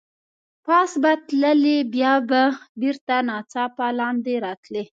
پاس به تللې، بیا به بېرته ناڅاپه لاندې راتلې.